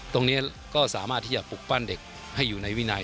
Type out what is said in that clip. ตรงนี้ก็สามารถที่จะปลูกปั้นเด็กให้อยู่ในวินัย